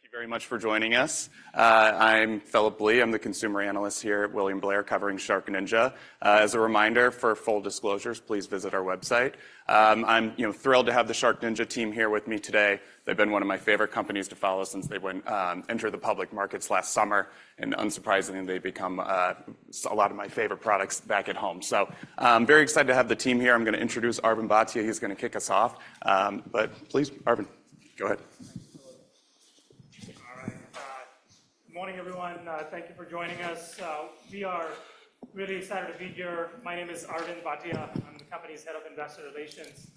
Thank you very much for joining us. I'm Phillip Blee. I'm the consumer analyst here at William Blair, covering SharkNinja. As a reminder, for full disclosures, please visit our website. I'm, you know, thrilled to have the SharkNinja team here with me today. They've been one of my favorite companies to follow since they went, entered the public markets last summer, and unsurprisingly, they've become, a lot of my favorite products back at home. So, I'm very excited to have the team here. I'm going to introduce Arvind Bhatia. He's going to kick us off. But please, Arvind, go ahead. Thanks, Phillip. All right. Good morning, everyone. Thank you for joining us. We are really excited to be here. My name is Arvind Bhatia. I'm the company's Head of Investor Relations.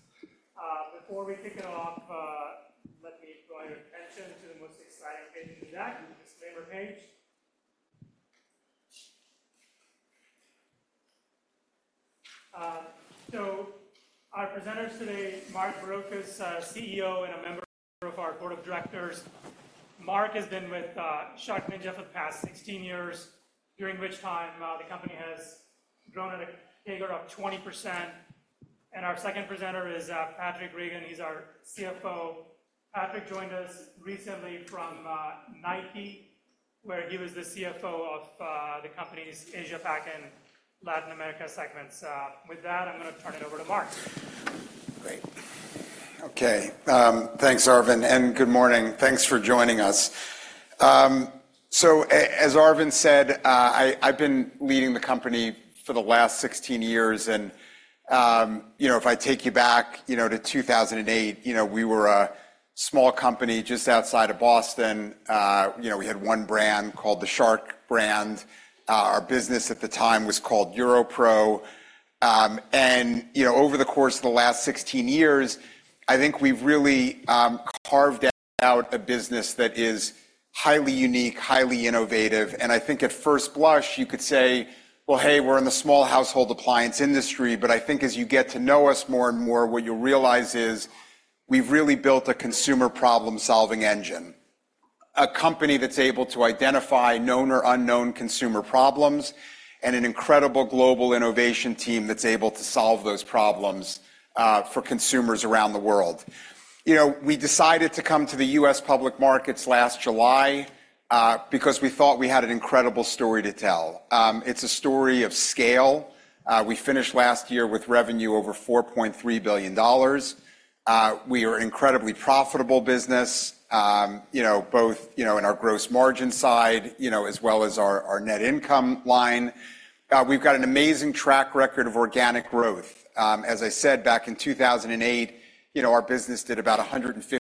Before we kick it off, let me draw your attention to the most exciting page in that, this later page. So our presenters today, Mark Barrocas, CEO and a member of our board of directors. Mark has been with SharkNinja for the past 16 years, during which time, the company has grown at a CAGR of 20%. Our second presenter is Patrick Regan. He's our CFO. Patrick joined us recently from Nike, where he was the CFO of the company's Asia-Pac and Latin America segments. With that, I'm going to turn it over to Mark. Great. Okay, thanks, Arvind, and good morning. Thanks for joining us. So as Arvind said, I, I've been leading the company for the last 16 years, and, you know, if I take you back, you know, to 2008, you know, we were a small company just outside of Boston. You know, we had one brand called the Shark brand. Our business at the time was called Euro-Pro. You know, over the course of the last 16 years, I think we've really carved out a business that is highly unique, highly innovative, and I think at first blush, you could say, "Well, hey, we're in the small household appliance industry." But I think as you get to know us more and more, what you'll realize is we've really built a consumer problem-solving engine, a company that's able to identify known or unknown consumer problems, and an incredible global innovation team that's able to solve those problems for consumers around the world. You know, we decided to come to the U.S. public markets last July because we thought we had an incredible story to tell. It's a story of scale. We finished last year with revenue over $4.3 billion. We are incredibly profitable business, you know, both, you know, in our gross margin side, you know, as well as our net income line. We've got an amazing track record of organic growth. As I said, back in 2008, you know, our business did about $150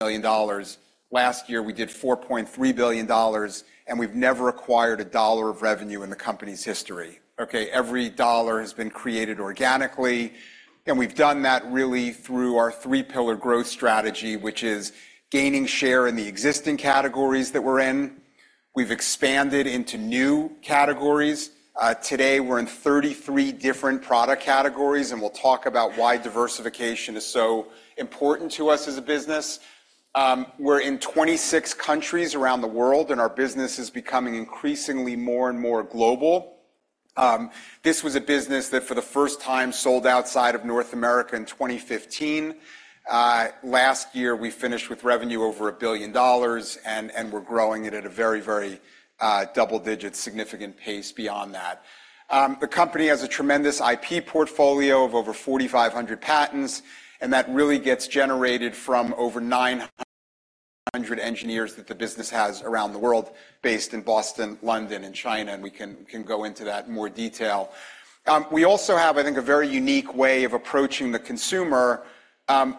million. Last year, we did $4.3 billion, and we've never acquired a dollar of revenue in the company's history, okay? Every dollar has been created organically, and we've done that really through our three-pillar growth strategy, which is gaining share in the existing categories that we're in. We've expanded into new categories. Today, we're in 33 different product categories, and we'll talk about why diversification is so important to us as a business. We're in 26 countries around the world, and our business is becoming increasingly more and more global. This was a business that, for the first time, sold outside of North America in 2015. Last year, we finished with revenue over $1 billion, and we're growing it at a very, very double-digit, significant pace beyond that. The company has a tremendous IP portfolio of over 4,500 patents, and that really gets generated from over 900 engineers that the business has around the world, based in Boston, London, and China, and we can go into that in more detail. We also have, I think, a very unique way of approaching the consumer,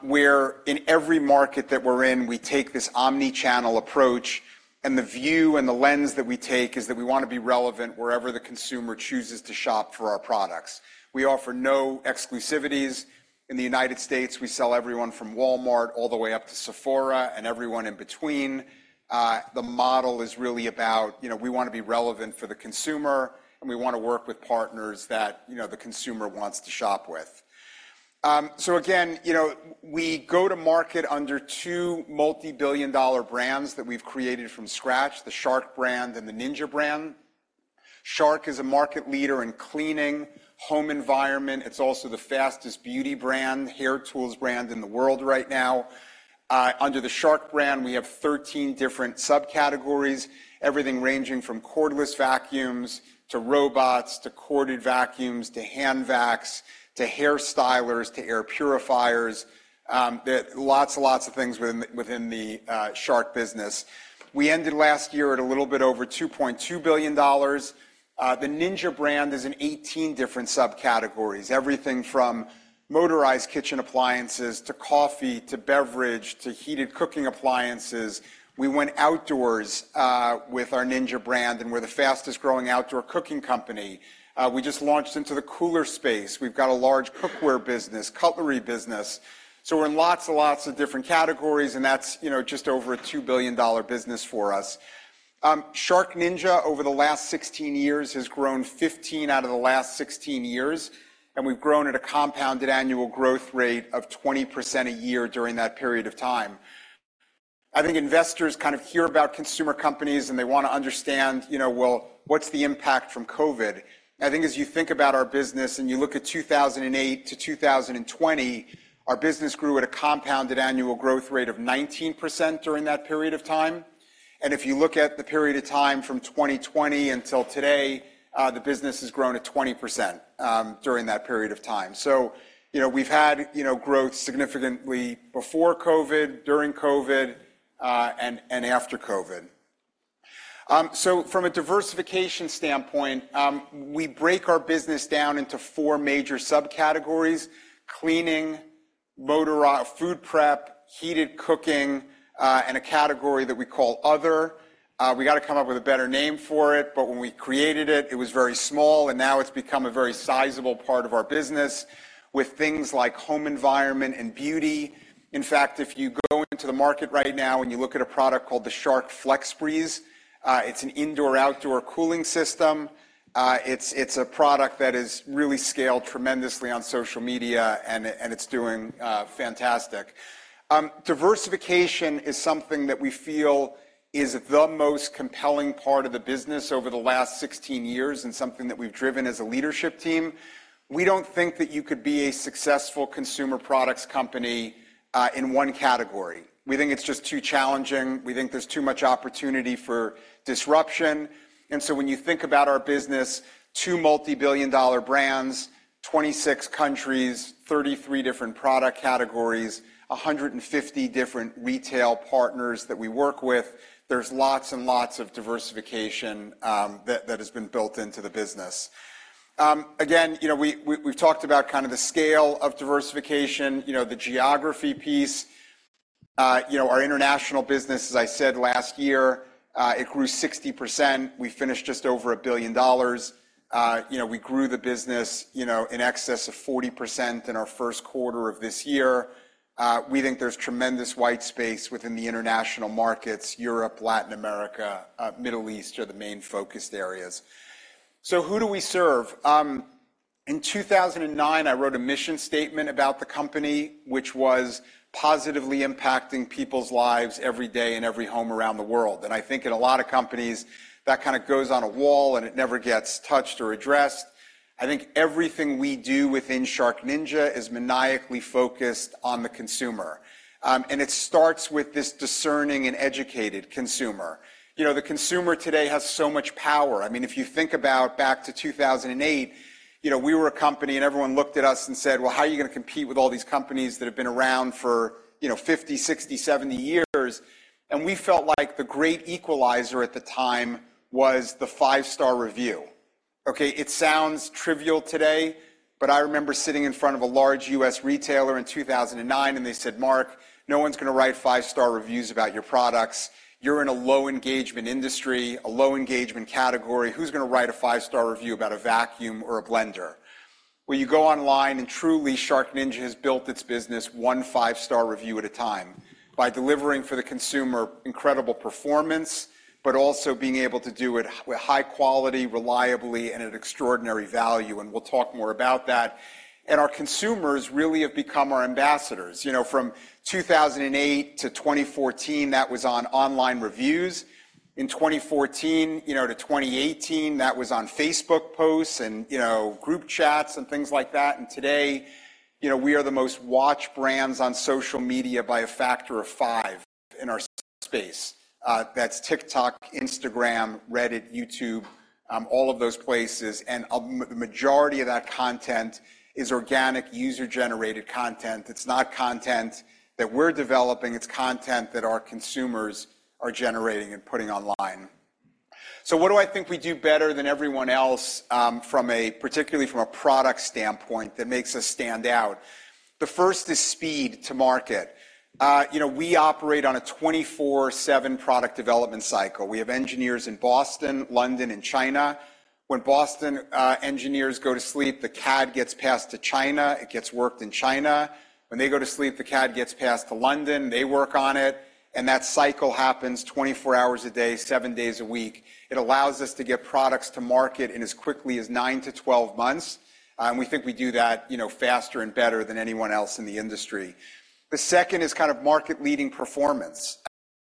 where in every market that we're in, we take this omni-channel approach, and the view and the lens that we take is that we want to be relevant wherever the consumer chooses to shop for our products. We offer no exclusivities. In the United States, we sell everyone from Walmart all the way up to Sephora and everyone in between. The model is really about, you know, we want to be relevant for the consumer, and we want to work with partners that, you know, the consumer wants to shop with. So again, you know, we go to market under two multi-billion dollar brands that we've created from scratch, the Shark brand and the Ninja brand. Shark is a market leader in cleaning, home environment. It's also the fastest beauty brand, hair tools brand in the world right now. Under the Shark brand, we have 13 different subcategories, everything ranging from cordless vacuums to robots, to corded vacuums, to hand vacs, to hair stylers, to air purifiers. There are lots and lots of things within the Shark business. We ended last year at a little bit over $2.2 billion. The Ninja brand is in 18 different subcategories, everything from motorized kitchen appliances to coffee, to beverage, to heated cooking appliances. We went outdoors with our Ninja brand, and we're the fastest-growing outdoor cooking company. We just launched into the cooler space. We've got a large cookware business, cutlery business, so we're in lots and lots of different categories, and that's, you know, just over a $2 billion business for us. SharkNinja, over the last 16 years, has grown 15 out of the last 16 years, and we've grown at a CAGR of 20% a year during that period of time. I think investors kind of hear about consumer companies, and they want to understand, you know, well, what's the impact from COVID? I think as you think about our business and you look at 2008 to 2020, our business grew at a compounded annual growth rate of 19% during that period of time. And if you look at the period of time from 2020 until today, the business has grown at 20% during that period of time. So, you know, we've had, you know, growth significantly before COVID, during COVID, and after COVID. So from a diversification standpoint, we break our business down into four major subcategories: cleaning, motor, food prep, heated cooking, and a category that we call other. We got to come up with a better name for it, but when we created it, it was very small, and now it's become a very sizable part of our business with things like home environment and beauty. In fact, if you go into the market right now, and you look at a product called the Shark FlexBreeze, it's an indoor-outdoor cooling system. It's a product that is really scaled tremendously on social media, and it's doing fantastic. Diversification is something that we feel is the most compelling part of the business over the last 16 years and something that we've driven as a leadership team. We don't think that you could be a successful consumer products company in one category. We think it's just too challenging. We think there's too much opportunity for disruption. When you think about our business, 2 multi-billion dollar brands, 26 countries, 33 different product categories, 150 different retail partners that we work with, there's lots and lots of diversification that has been built into the business. Again, you know, we've talked about kind of the scale of diversification, you know, the geography piece. You know, our international business, as I said, last year, it grew 60%. We finished just over $1 billion. You know, we grew the business, you know, in excess of 40% in our first quarter of this year. We think there's tremendous white space within the international markets. Europe, Latin America, Middle East are the main focused areas. So who do we serve? In 2009, I wrote a mission statement about the company, which was positively impacting people's lives every day in every home around the world. I think in a lot of companies, that kind of goes on a wall, and it never gets touched or addressed. I think everything we do within SharkNinja is maniacally focused on the consumer, and it starts with this discerning and educated consumer. You know, the consumer today has so much power. I mean, if you think about back to 2008, you know, we were a company, and everyone looked at us and said, "Well, how are you going to compete with all these companies that have been around for, you know, 50, 60, 70 years?" And we felt like the great equalizer at the time was the five-star review. Okay, it sounds trivial today, but I remember sitting in front of a large U.S. retailer in 2009, and they said, "Mark, no one's going to write five-star reviews about your products. You're in a low engagement industry, a low engagement category. Who's going to write a five-star review about a vacuum or a blender?" Well, you go online, and truly, SharkNinja has built its business one five-star review at a time by delivering for the consumer incredible performance, but also being able to do it with high quality, reliably, and at extraordinary value, and we'll talk more about that. And our consumers really have become our ambassadors. You know, from 2008 to 2014, that was on online reviews. In 2014, you know, to 2018, that was on Facebook posts and, you know, group chats and things like that. Today, you know, we are the most watched brands on social media by a factor of five in our space. That's TikTok, Instagram, Reddit, YouTube, all of those places, and a majority of that content is organic, user-generated content. It's not content that we're developing, it's content that our consumers are generating and putting online. So what do I think we do better than everyone else, particularly from a product standpoint that makes us stand out? The first is speed to market. You know, we operate on a 24/7 product development cycle. We have engineers in Boston, London, and China. When Boston engineers go to sleep, the CAD gets passed to China. It gets worked in China. When they go to sleep, the CAD gets passed to London, they work on it, and that cycle happens 24 hours a day, 7 days a week. It allows us to get products to market in as quickly as 9-12 months, and we think we do that, you know, faster and better than anyone else in the industry. The second is kind of market-leading performance.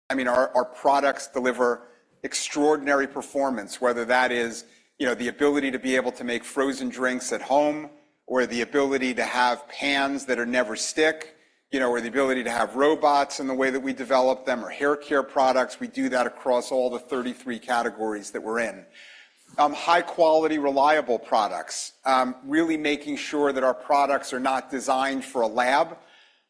I mean, our, our products deliver extraordinary performance, whether that is, you know, the ability to be able to make frozen drinks at home or the ability to have pans that are non-stick, you know, or the ability to have robots in the way that we develop them or hair care products. We do that across all the 33 categories that we're in. High quality, reliable products. Really making sure that our products are not designed for a lab.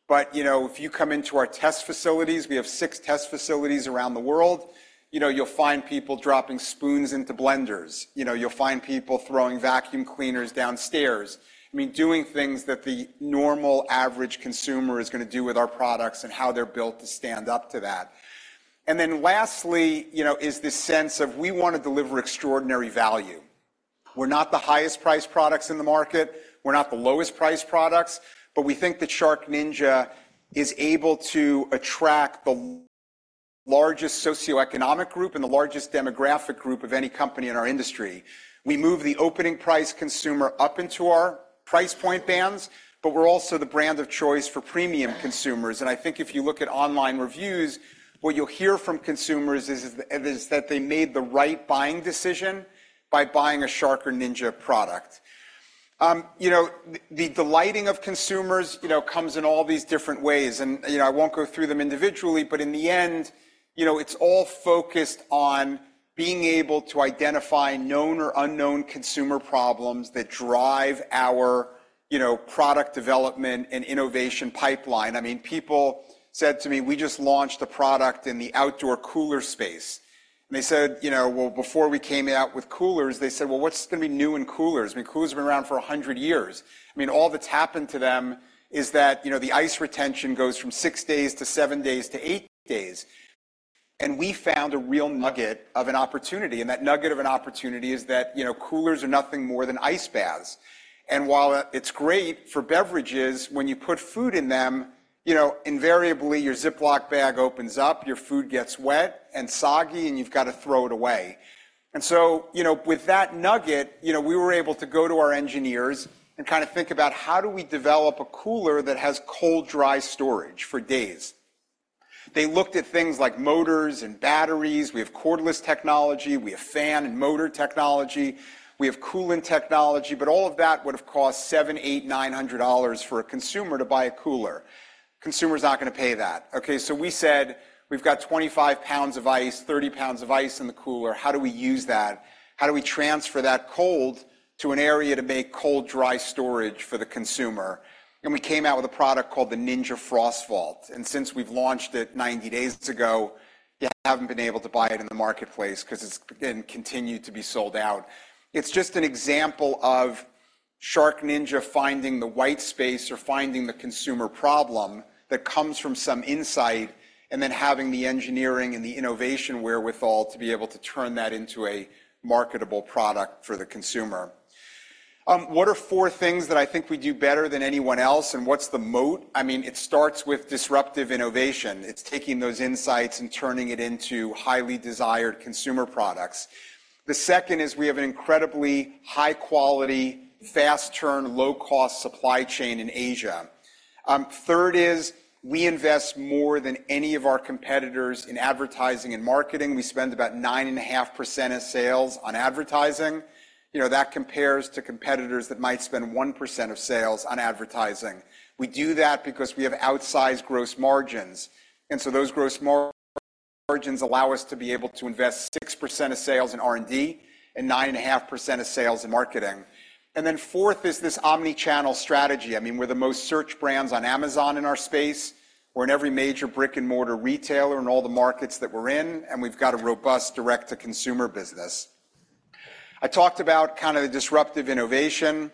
But, you know, if you come into our test facilities, we have 6 test facilities around the world, you know, you'll find people dropping spoons into blenders. You know, you'll find people throwing vacuum cleaners downstairs. I mean, doing things that the normal average consumer is gonna do with our products and how they're built to stand up to that. And then lastly, you know, is this sense of we want to deliver extraordinary value. We're not the highest priced products in the market. We're not the lowest priced products, but we think that SharkNinja is able to attract the largest socioeconomic group and the largest demographic group of any company in our industry. We move the opening price consumer up into our price point bands, but we're also the brand of choice for premium consumers. I think if you look at online reviews, what you'll hear from consumers is, is that they made the right buying decision by buying a Shark or Ninja product. You know, the delighting of consumers, you know, comes in all these different ways, and, you know, I won't go through them individually, but in the end, you know, it's all focused on being able to identify known or unknown consumer problems that drive our, you know, product development and innovation pipeline. I mean, people said to me, "We just launched a product in the outdoor cooler space." They said, "You know, well, before we came out with coolers," they said, "Well, what's going to be new in coolers? I mean, coolers have been around for 100 years." I mean, all that's happened to them is that, you know, the ice retention goes from six days to seven days to eight days. And we found a real nugget of an opportunity, and that nugget of an opportunity is that, you know, coolers are nothing more than ice baths. And while it's great for beverages, when you put food in them, you know, invariably, your Ziploc bag opens up, your food gets wet and soggy, and you've got to throw it away. And so, you know, with that nugget, you know, we were able to go to our engineers and kind of think about: How do we develop a cooler that has cold, dry storage for days? They looked at things like motors and batteries. We have cordless technology, we have fan and motor technology, we have coolant technology, but all of that would have cost $700, $800, $900 for a consumer to buy a cooler. Consumer's not gonna pay that. Okay, so we said, "We've got 25 pounds of ice, 30 pounds of ice in the cooler. How do we use that? How do we transfer that cold to an area to make cold, dry storage for the consumer?" And we came out with a product called the Ninja FrostVault, and since we've launched it 90 days ago, you haven't been able to buy it in the marketplace 'cause it's been continued to be sold out. It's just an example of SharkNinja finding the white space or finding the consumer problem that comes from some insight, and then having the engineering and the innovation wherewithal to be able to turn that into a marketable product for the consumer. What are four things that I think we do better than anyone else, and what's the moat? I mean, it starts with disruptive innovation. It's taking those insights and turning it into highly desired consumer products. The second is we have an incredibly high-quality, fast-turn, low-cost supply chain in Asia. Third is we invest more than any of our competitors in advertising and marketing. We spend about 9.5% of sales on advertising. You know, that compares to competitors that might spend 1% of sales on advertising. We do that because we have outsized gross margins, and so those gross margins allow us to be able to invest 6% of sales in R&D and 9.5% of sales in marketing. Then fourth is this omni-channel strategy. I mean, we're the most searched brands on Amazon in our space. We're in every major brick-and-mortar retailer in all the markets that we're in, and we've got a robust direct-to-consumer business. I talked about kind of the disruptive innovation,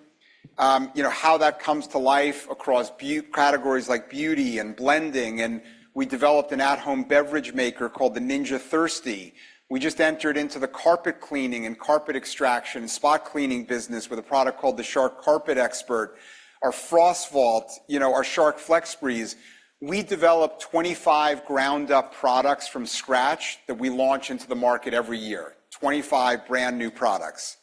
you know, how that comes to life across categories like beauty and blending, and we developed an at-home beverage maker called the Ninja Thirsti. We just entered into the carpet cleaning and carpet extraction, spot cleaning business with a product called the Shark CarpetXpert. Our FrostVault, you know, our Shark FlexBreeze. We develop 25 ground-up products from scratch that we launch into the market every year. Twenty-five brand-new products.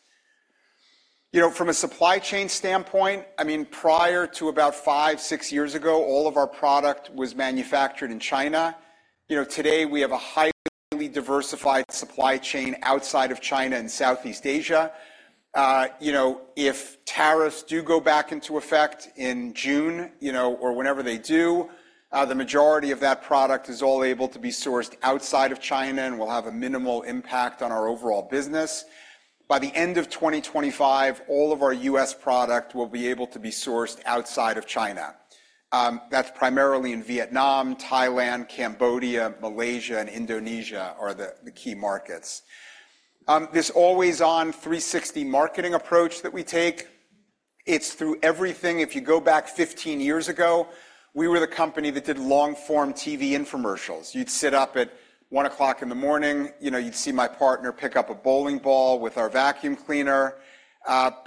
You know, from a supply chain standpoint, I mean, prior to about five, six years ago, all of our product was manufactured in China. You know, today, we have a highly diversified supply chain outside of China and Southeast Asia. You know, if tariffs do go back into effect in June, you know, or whenever they do, the majority of that product is all able to be sourced outside of China and will have a minimal impact on our overall business. By the end of 2025, all of our U.S. product will be able to be sourced outside of China. That's primarily in Vietnam, Thailand, Cambodia, Malaysia, and Indonesia are the key markets. This always-on 360 marketing approach that we take, it's through everything. If you go back 15 years ago, we were the company that did long-form TV infomercials. You'd sit up at 1:00 A.M., you know, you'd see my partner pick up a bowling ball with our vacuum cleaner.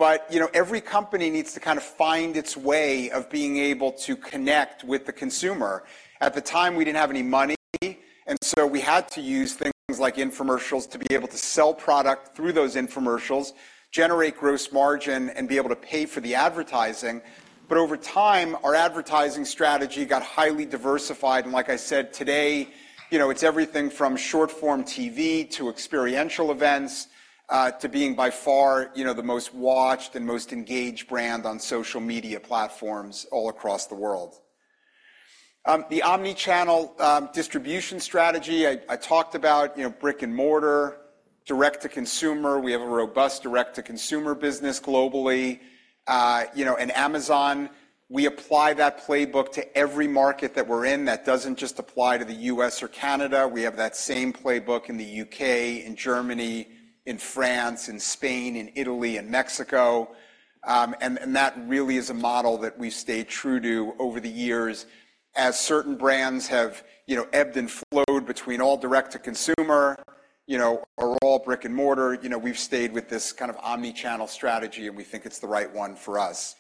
But, you know, every company needs to kind of find its way of being able to connect with the consumer. At the time, we didn't have any money, and so we had to use things like infomercials to be able to sell product through those infomercials, generate gross margin, and be able to pay for the advertising. But over time, our advertising strategy got highly diversified, and like I said, today, you know, it's everything from short-form TV to experiential events, to being by far, you know, the most watched and most engaged brand on social media platforms all across the world. The omni-channel distribution strategy I talked about, you know, brick-and-mortar, direct-to-consumer. We have a robust direct-to-consumer business globally. You know, and Amazon, we apply that playbook to every market that we're in. That doesn't just apply to the U.S. or Canada. We have that same playbook in the U.K., in Germany, in France, in Spain, in Italy, and Mexico. And that really is a model that we've stayed true to over the years. As certain brands have, you know, ebbed and flowed between all direct-to-consumer, you know, or all brick-and-mortar, you know, we've stayed with this kind of omni-channel strategy, and we think it's the right one for us.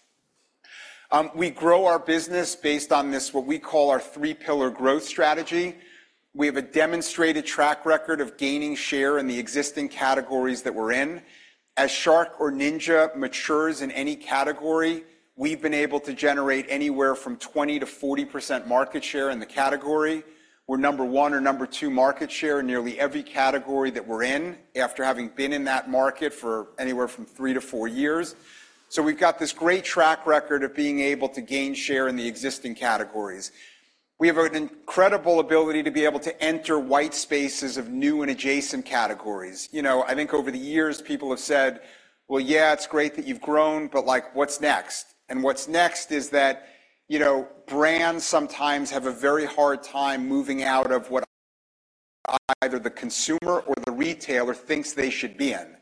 We grow our business based on this, what we call our three-pillar growth strategy. We have a demonstrated track record of gaining share in the existing categories that we're in. As Shark or Ninja matures in any category, we've been able to generate anywhere from 20%-40% market share in the category. We're number one or number two market share in nearly every category that we're in, after having been in that market for anywhere from 3-4 years. So we've got this great track record of being able to gain share in the existing categories. We have an incredible ability to be able to enter white spaces of new and adjacent categories. You know, I think over the years, people have said, "Well, yeah, it's great that you've grown, but, like, what's next?" And what's next is that, you know, brands sometimes have a very hard time moving out of what either the consumer or the retailer thinks they should be in.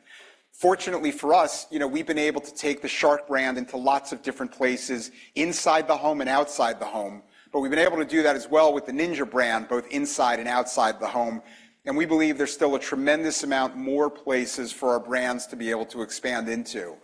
Fortunately for us, you know, we've been able to take the Shark brand into lots of different places inside the home and outside the home, but we've been able to do that as well with the Ninja brand, both inside and outside the home, and we believe there's still a tremendous amount more places for our brands to be able to expand into.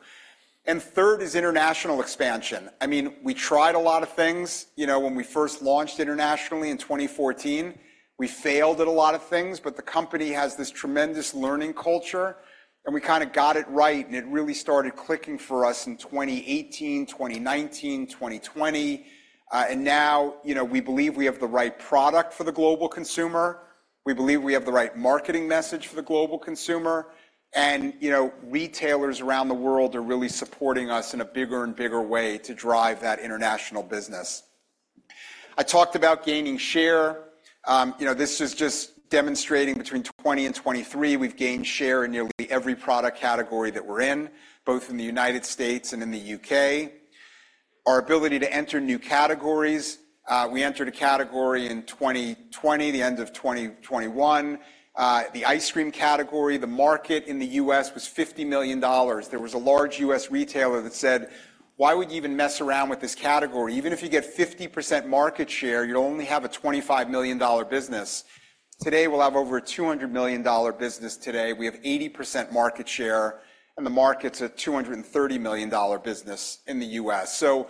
Third is international expansion. I mean, we tried a lot of things. You know, when we first launched internationally in 2014, we failed at a lot of things, but the company has this tremendous learning culture, and we kind of got it right, and it really started clicking for us in 2018, 2019, 2020. And now, you know, we believe we have the right product for the global consumer. We believe we have the right marketing message for the global consumer. You know, retailers around the world are really supporting us in a bigger and bigger way to drive that international business. I talked about gaining share. You know, this is just demonstrating between 2020 and 2023, we've gained share in nearly every product category that we're in, both in the United States and in the U.K. Our ability to enter new categories, we entered a category in 2020, the end of 2021. The ice cream category, the market in the U.S. was $50 million. There was a large U.S. retailer that said: Why would you even mess around with this category? Even if you get 50% market share, you'll only have a $25 million business. Today, we'll have over a $200 million business today. We have 80% market share, and the market's a $230 million business in the U.S. So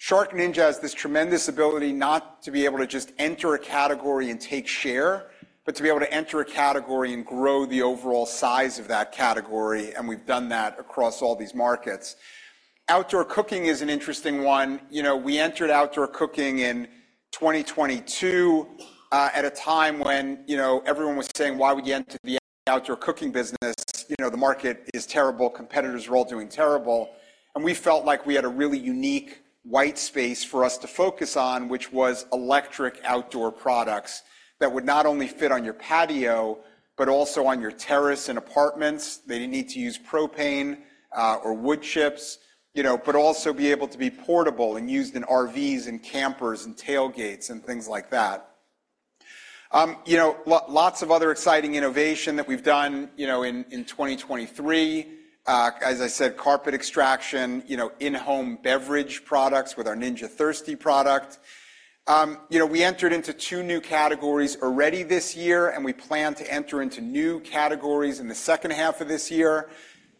SharkNinja has this tremendous ability not to be able to just enter a category and take share, but to be able to enter a category and grow the overall size of that category, and we've done that across all these markets. Outdoor cooking is an interesting one. You know, we entered outdoor cooking in 2022, at a time when, you know, everyone was saying, "Why would you enter the outdoor cooking business? You know, the market is terrible. Competitors are all doing terrible." And we felt like we had a really unique white space for us to focus on, which was electric outdoor products that would not only fit on your patio, but also on your terrace and apartments. They didn't need to use propane or wood chips, you know, but also be able to be portable and used in RVs and campers and tailgates and things like that. You know, lots of other exciting innovation that we've done, you know, in 2023. As I said, carpet extraction, you know, in-home beverage products with our Ninja Thirsti product. You know, we entered into two new categories already this year, and we plan to enter into new categories in the second half of this year.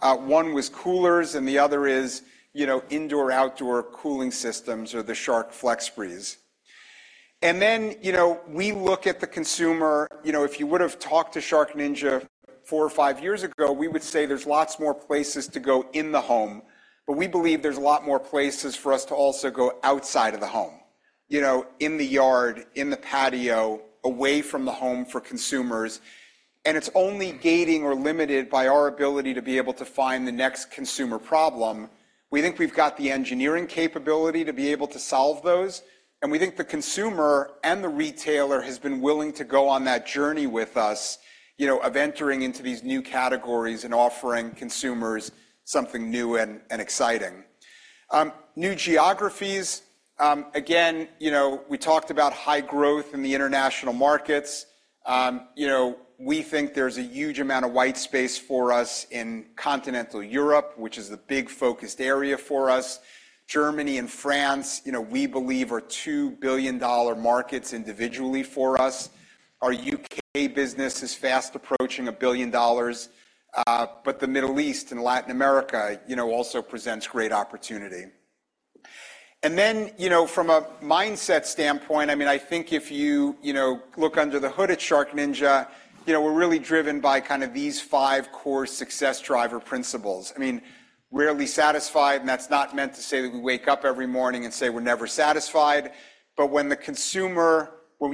One was coolers, and the other is, you know, indoor-outdoor cooling systems or the Shark FlexBreeze. And then, you know, we look at the consumer... You know, if you would have talked to SharkNinja four or five years ago, we would say there's lots more places to go in the home, but we believe there's a lot more places for us to also go outside of the home, you know, in the yard, in the patio, away from the home for consumers, and it's only gating or limited by our ability to be able to find the next consumer problem. We think we've got the engineering capability to be able to solve those, and we think the consumer and the retailer has been willing to go on that journey with us, you know, of entering into these new categories and offering consumers something new and exciting. New geographies, again, you know, we talked about high growth in the international markets. You know, we think there's a huge amount of white space for us in Continental Europe, which is a big focused area for us. Germany and France, you know, we believe are $2 billion markets individually for us. Our UK business is fast approaching $1 billion, but the Middle East and Latin America, you know, also presents great opportunity. And then, you know, from a mindset standpoint, I mean, I think if you, you know, look under the hood at SharkNinja, you know, we're really driven by kind of these five core success driver principles. I mean, rarely satisfied, and that's not meant to say that we wake up every morning and say we're never satisfied. But when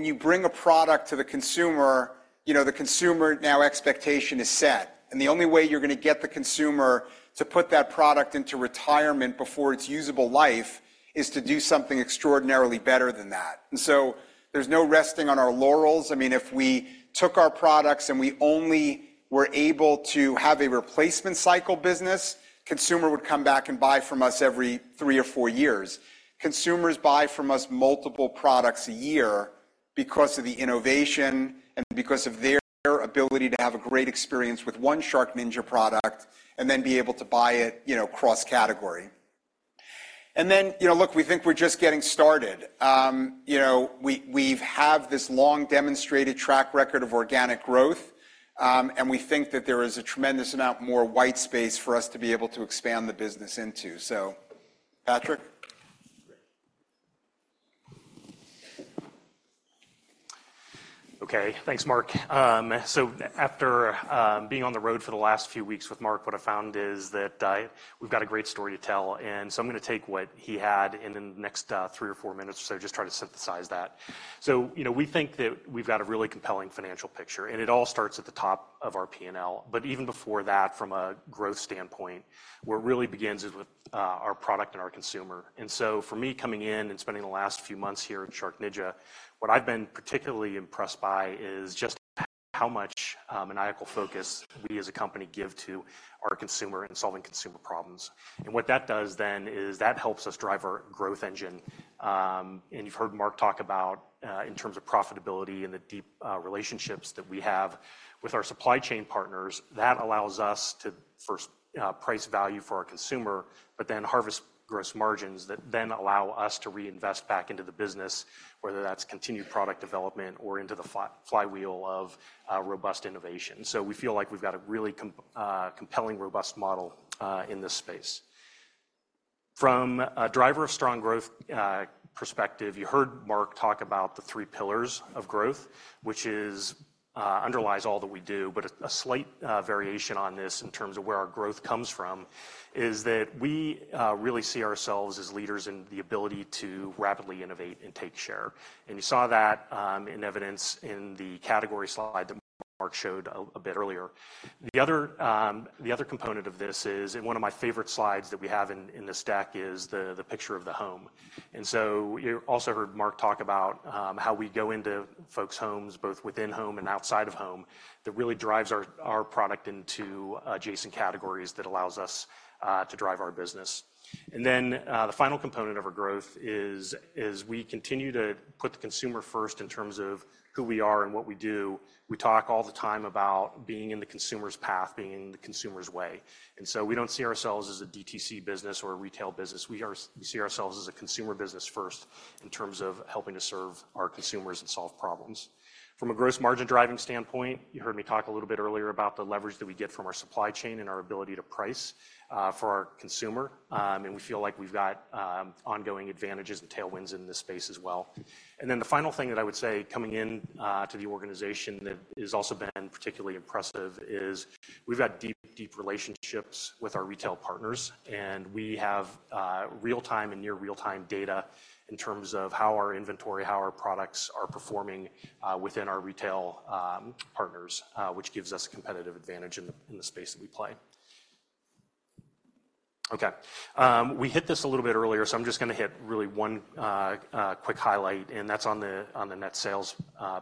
you bring a product to the consumer, you know, the consumer now expectation is set, and the only way you're gonna get the consumer to put that product into retirement before its usable life is to do something extraordinarily better than that. And so there's no resting on our laurels. I mean, if we took our products and we only were able to have a replacement cycle business, consumer would come back and buy from us every three or four years. Consumers buy from us multiple products a year because of the innovation and because of their ability to have a great experience with one SharkNinja product and then be able to buy it, you know, cross-category. And then, you know, look, we think we're just getting started. You know, we've had this long demonstrated track record of organic growth, and we think that there is a tremendous amount more white space for us to be able to expand the business into. So, Patrick? ... Okay, thanks, Mark. So after being on the road for the last few weeks with Mark, what I've found is that we've got a great story to tell, and so I'm gonna take what he had, and in the next three or four minutes or so, just try to synthesize that. So, you know, we think that we've got a really compelling financial picture, and it all starts at the top of our P&L. But even before that, from a growth standpoint, where it really begins is with our product and our consumer. And so for me, coming in and spending the last few months here at SharkNinja, what I've been particularly impressed by is just how much maniacal focus we as a company give to our consumer and solving consumer problems. What that does then is that helps us drive our growth engine. And you've heard Mark talk about, in terms of profitability and the deep relationships that we have with our supply chain partners, that allows us to first, price value for our consumer, but then harvest gross margins that then allow us to reinvest back into the business, whether that's continued product development or into the flywheel of robust innovation. So we feel like we've got a really compelling, robust model in this space. From a driver of strong growth perspective, you heard Mark talk about the three pillars of growth, which underlies all that we do, but a slight variation on this in terms of where our growth comes from is that we really see ourselves as leaders in the ability to rapidly innovate and take share. And you saw that in evidence in the category slide that Mark showed a bit earlier. The other component of this is, and one of my favorite slides that we have in this deck is the picture of the home. And so you also heard Mark talk about how we go into folks' homes, both within home and outside of home. That really drives our product into adjacent categories that allows us to drive our business. And then, the final component of our growth is, as we continue to put the consumer first in terms of who we are and what we do, we talk all the time about being in the consumer's path, being in the consumer's way. And so we don't see ourselves as a DTC business or a retail business. We are. We see ourselves as a consumer business first in terms of helping to serve our consumers and solve problems. From a gross margin driving standpoint, you heard me talk a little bit earlier about the leverage that we get from our supply chain and our ability to price, for our consumer. And we feel like we've got ongoing advantages and tailwinds in this space as well. Then the final thing that I would say, coming in, to the organization that has also been particularly impressive is we've got deep, deep relationships with our retail partners, and we have real-time and near real-time data in terms of how our inventory, how our products are performing, within our retail partners, which gives us a competitive advantage in the space that we play. Okay, we hit this a little bit earlier, so I'm just gonna hit really one quick highlight, and that's on the net sales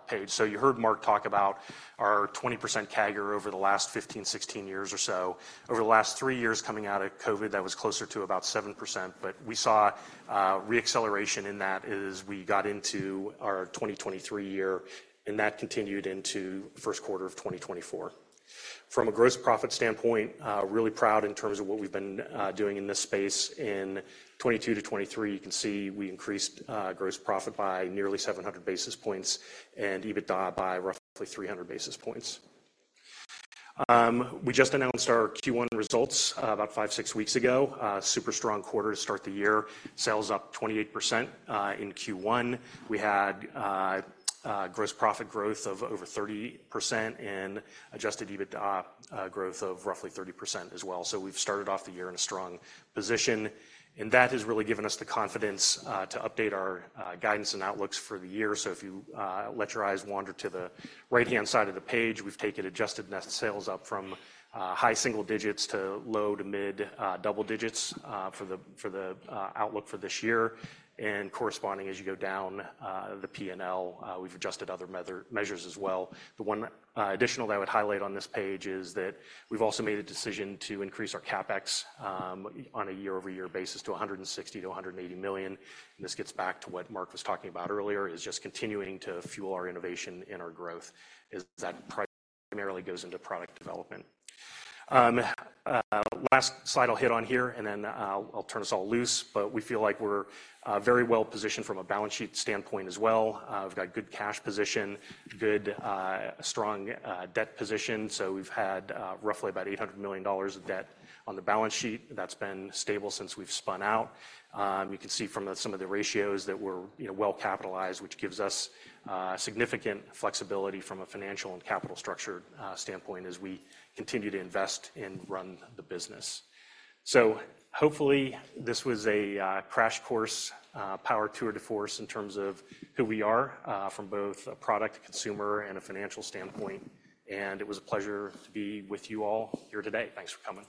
page. So you heard Mark talk about our 20% CAGR over the last 15, 16 years or so. Over the last three years coming out of COVID, that was closer to about 7%, but we saw re-acceleration in that as we got into our 2023 year, and that continued into the first quarter of 2024. From a gross profit standpoint, really proud in terms of what we've been doing in this space in 2022-2023. You can see we increased gross profit by nearly 700 basis points and EBITDA by roughly 300 basis points. We just announced our Q1 results about 5-6 weeks ago. Super strong quarter to start the year. Sales up 28% in Q1. We had gross profit growth of over 30% and adjusted EBITDA growth of roughly 30% as well. So we've started off the year in a strong position, and that has really given us the confidence to update our guidance and outlooks for the year. So if you let your eyes wander to the right-hand side of the page, we've taken adjusted net sales up from high single digits to low to mid double digits for the outlook for this year. And corresponding, as you go down the P&L, we've adjusted other measure, measures as well. The one additional that I would highlight on this page is that we've also made a decision to increase our CapEx on a year-over-year basis to $160 million-$180 million. This gets back to what Mark was talking about earlier, is just continuing to fuel our innovation and our growth, as that primarily goes into product development. Last slide I'll hit on here, and then I'll turn us all loose, but we feel like we're very well-positioned from a balance sheet standpoint as well. We've got good cash position, good strong debt position. So we've had roughly about $800 million of debt on the balance sheet. That's been stable since we've spun out. We can see from some of the ratios that we're, you know, well-capitalized, which gives us significant flexibility from a financial and capital structure standpoint as we continue to invest and run the business. Hopefully, this was a crash course, power tour de force in terms of who we are, from both a product, a consumer, and a financial standpoint, and it was a pleasure to be with you all here today. Thanks for coming.